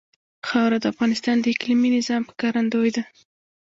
خاوره د افغانستان د اقلیمي نظام ښکارندوی ده.